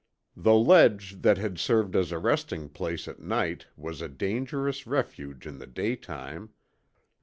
The ledge that had served as a resting place at night was a dangerous refuge in the daytime.